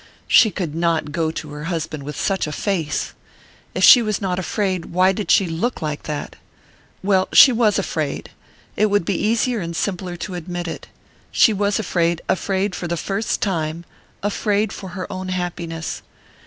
She could not go to her husband with such a face! If she was not afraid, why did she look like that? Well she was afraid! It would be easier and simpler to admit it. She was afraid afraid for the first time afraid for her own happiness!